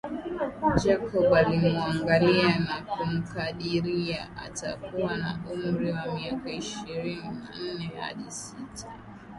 Jacob alimuangalia na kumkadiria atakuwa na umri wa miaka ishirini na nne hadi sita